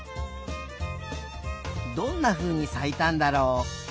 どんなふうにさいたんだろう？